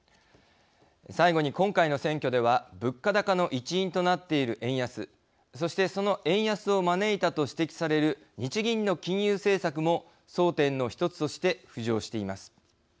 最後に、今回の選挙では物価高の一因となっている円安そしてその円安を招いたと指摘される日銀の金融政策も争点の１つとして浮上しています。